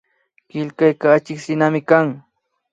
Killkayka achikshinami kan